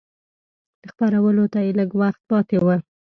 خپرولو ته یې لږ وخت پاته و.